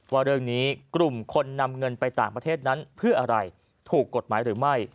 ว่าเรื่องนี้กลุ่มคนนำเงินไปต่างประเทศนั้นเพื่ออะไรถูกกฎหมายหรือไม่